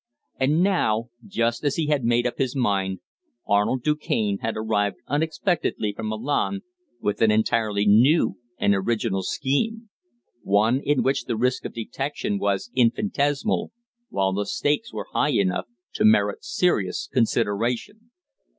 And now, just as he had made up his mind, Arnold Du Cane had arrived unexpectedly from Milan with an entirely new and original scheme one in which the risk of detection was infinitesimal, while the stakes were high enough to merit serious consideration.